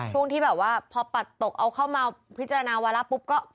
ช่วงที่แบบว่าพอปัดตกเอาเข้ามาพิจารณาวาระปุ๊บก็